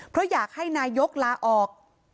เพราะอยากให้นายกลาออก